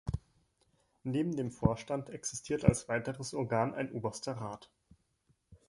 Neben dem Vorstand existiert als weiteres Organ ein Oberster Rat.